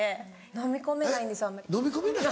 のみ込めない？